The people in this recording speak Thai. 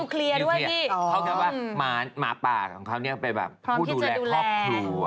นิ้วเคลียร์เขาเขียนว่าหมาป่าของเขาเป็นผู้ดูแลครอบครัว